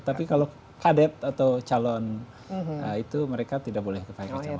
tapi kalau kadet atau calon itu mereka tidak boleh kepahit sama